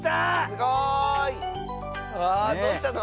すごい！あっどうしたの？